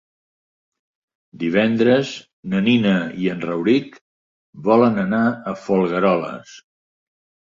Divendres na Nina i en Rauric volen anar a Folgueroles.